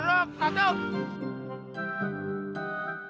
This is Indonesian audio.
buahnya mana buahnya